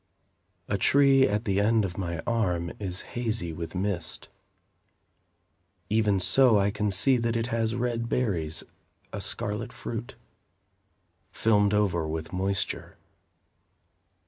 A tree, at the end of my arm, is hazy with mist. Even so, I can see that it has red berries, A scarlet fruit, Filmed over with moisture.